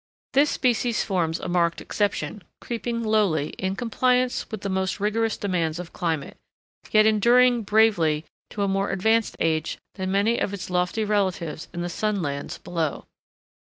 This species forms a marked exception, creeping lowly, in compliance with the most rigorous demands of climate, yet enduring bravely to a more advanced age than many of its lofty relatives in the sun lands below.